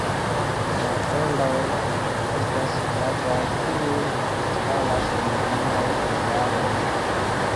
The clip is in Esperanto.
La floroj estas flavaj, kiuj staras en grandaj floraroj.